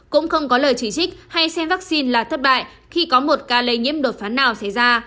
cũng không có lời chỉ trích hay xem vaccine là thất bại khi có một ca lây nhiễm đột phá nào xảy ra